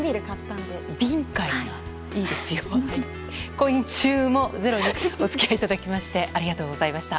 今週も「ｚｅｒｏ」にお付き合いいただきましてありがとうございました。